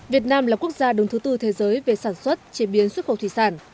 việt nam là quốc gia đứng thứ tư thế giới về sản xuất chế biến xuất khẩu thủy sản